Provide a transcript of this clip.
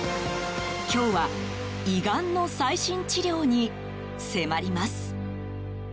今日は胃がんの最新治療に迫ります。